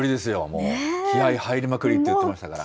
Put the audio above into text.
もう、気合い入りまくりって言ってましたから。